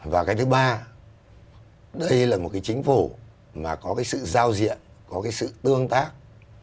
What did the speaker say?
và cái thứ ba đây là một cái chính phủ mà có cái sự giao diện có cái sự tương tác